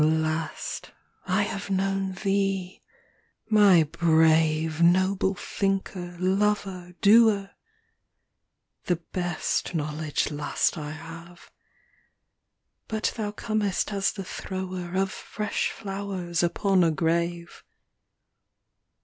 VI. Last, I have known thee, my brave Noble thinker, lover, doer ! The best knowledge last I have. But thou comest as the thrower Of fresh flowers upon a grave.